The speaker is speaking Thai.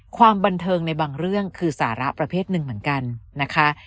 ความบันเทิงในบางเรื่องคือสาระประเภทหนึ่งเหมือนกันนะคะ